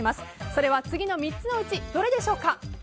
それは次の３つのうちどれでしょうか？